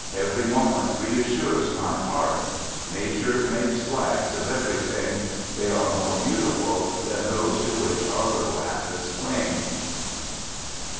Every moment reassures my heart : Nature makes flags of everything. They are more beautiful than those to which our little habits cling.